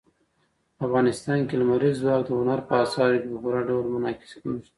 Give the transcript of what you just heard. افغانستان کې لمریز ځواک د هنر په اثارو کې په پوره ډول منعکس کېږي.